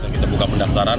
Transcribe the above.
kita buka pendapatan